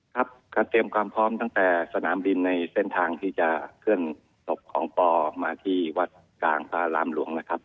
ครับก็เตรียมความพร้อมตั้งแต่สนามบินในเส้นทางที่จะเคลื่อนศพของปอมาที่วัดกลางพระรามหลวงนะครับ